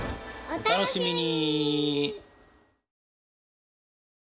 お楽しみに！